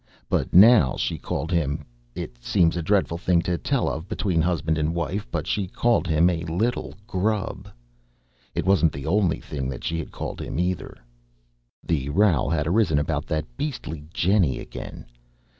But now she called him it seems a dreadful thing to tell of between husband and wife, but she called him "a little grub." It wasn't the only thing she had called him, either. The row had arisen about that beastly Jennie again.